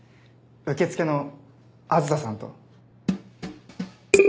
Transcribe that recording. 受付の梓さんと。